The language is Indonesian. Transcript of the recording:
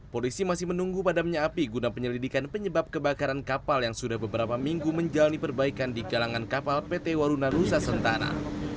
polisi masih menunggu padamnya api guna penyelidikan penyebab kebakaran kapal yang sudah beberapa minggu menjalani perbaikan di kalangan kapal pt waruna rusa sentana